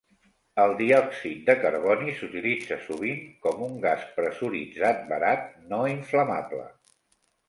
El diòxid de carboni s'utilitza sovint com un gas pressuritzat barat, no inflamable.